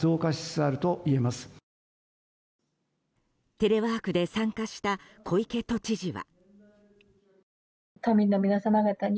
テレワークで参加した小池都知事は。